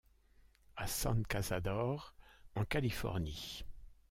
À San Cazador, en Californie.